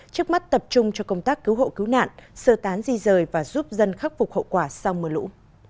trước mắt tập trung cho công tác cứu hộ cứu nạn sơ tán di rời và giúp dân khắc phục hậu quả sau mưa lũ